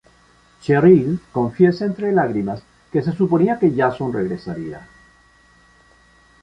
Cheryl confiesa entre lágrimas que se suponía que Jason regresaría.